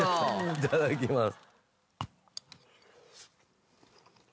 いただきます。